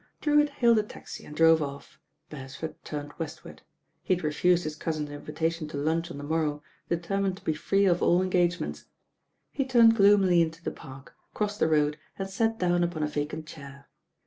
Drewitt hailed a taxi and drove off, Beresford turning westward. He had refused his cousin's invitation to lunch on the morrow, determined to be free of all engagements. He turned gloomily into the Park, crossed the road and sat down upon a vacant chair.